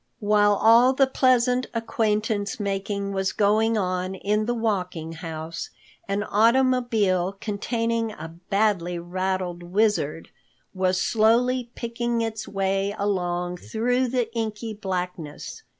While all the pleasant acquaintance making was going on in the Walking House, an automobile containing a badly rattled Wizard was slowly picking its way along through the inky blackness.